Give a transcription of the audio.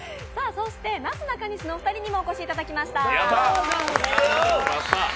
そしてなすなかにしのお二人にもお越しいただきました。